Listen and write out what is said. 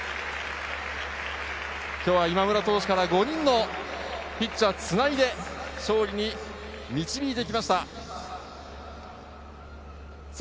今日は今村投手から５人のピッチャーをつないで勝利に導いてきました。